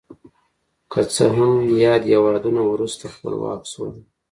که څه هم یاد هېوادونه وروسته خپلواک شول.